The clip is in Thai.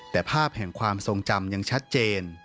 แต่ภาพแห่งความทรงจำยังชัดเจน